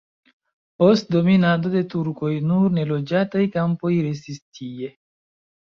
Post dominado de turkoj nur neloĝataj kampoj restis tie.